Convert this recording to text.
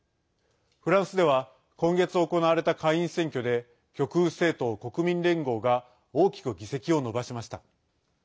フランスでは今月行われた下院選挙で極右政党・国民連合が大きく議席を伸ばしました。